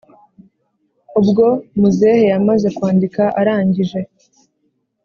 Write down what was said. ubwo muzehe yamaze kwandika arangije